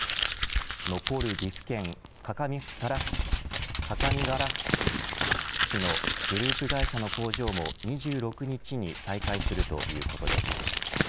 残る岐阜県各務原市のグループ会社の工場も２６日に再開するということです。